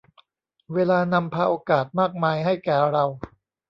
เวลานำพาโอกาสมากมายให้แก่เรา